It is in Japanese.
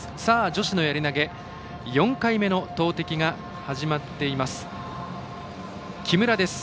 女子のやり投げ４回目の投てきが始まっています。